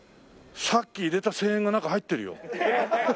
さっき入れた１０００円が中入ってるよ。